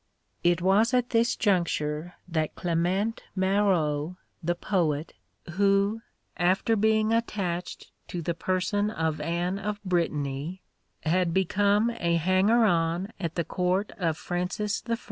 It was at this juncture that Clement Marot, the poet, who, after being attached to the person of Anne of Brittany, had become a hanger on at the Court of Francis I.